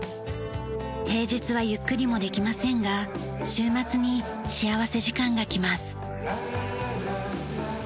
平日はゆっくりもできませんが週末に幸福時間がきます。